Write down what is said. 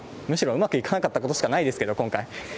むしろ、うまくいかなかったことしかないですけど、今回。